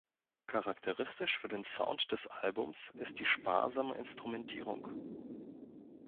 Charakteristisch für den Sound des Albums ist die sparsame Instrumentierung.